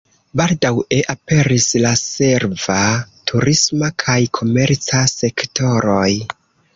Baldaŭe aperis la serva, turisma kaj komerca sektoroj.